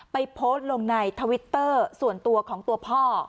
โพสต์ลงในทวิตเตอร์ส่วนตัวของตัวพ่อ